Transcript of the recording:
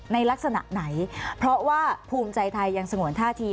ในลักษณะไหนเพราะว่าภูมิใจไทยยังสงวนท่าที